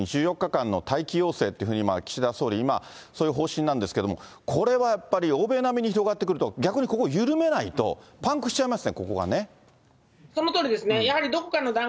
１４日間の待機要請っていうふうに、岸田総理、今、そういう方針なんですけれども、これはやっぱり欧米並みに広がってくると、逆にここ緩めないと、パンクしちゃいますね、ここがね。